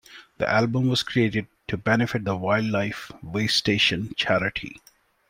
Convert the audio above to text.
The album was created to benefit The Wildlife Waystation charity.